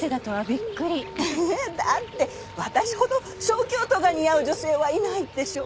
えだって私ほど小京都が似合う女性はいないでしょ？